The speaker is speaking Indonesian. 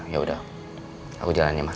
yaudah aku jalannya ma